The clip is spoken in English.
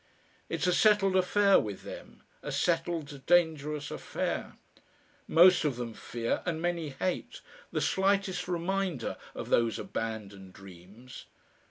It's a settled affair with them, a settled, dangerous affair. Most of them fear, and many hate, the slightest reminder of those abandoned dreams.